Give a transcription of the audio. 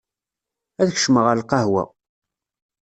Ad kecmeɣ ɣer lqahwa.